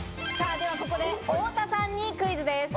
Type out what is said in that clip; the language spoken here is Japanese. ではここで太田さんにクイズです。